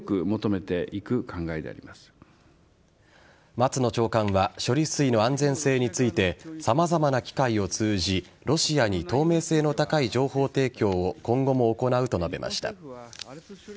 松野長官は処理水の安全性について様々な機会を通じロシアに透明性の高い情報提供を今後も行うと述べました。